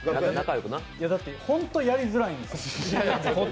だって、ホントやりづらいんですよ。